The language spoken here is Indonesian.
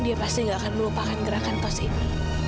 dia pasti gak akan melupakan gerakan kos ini